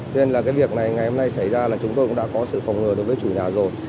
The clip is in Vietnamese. nên là cái việc này ngày hôm nay xảy ra là chúng tôi cũng đã có sự phòng ngừa đối với chủ nhà rồi